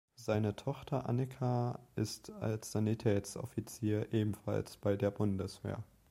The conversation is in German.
Seine Tochter Annika ist als Sanitätsoffizier ebenfalls bei der Bundeswehr.